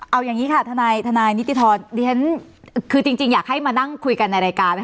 เอาอย่างนี้ค่ะทนายนิติธรจริงอยากให้มานั่งคุยกันในรายการ